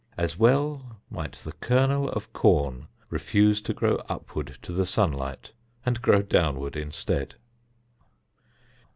As well might the kernel of corn refuse to grow upward to the sunlight, and grow downward instead.